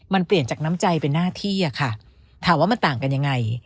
มันเปลี่ยนจากน้ำใจเป็นหน้าที่อะค่ะถามว่ามันต่างกันยังไง